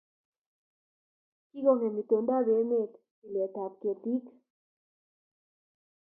Kingongem itondap emet tiletap ketik